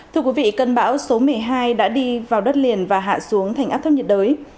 thưa quý vị cơn bão số một mươi hai đã đi vào đất liền và hạ xuống thành áp thấp nhiệt đới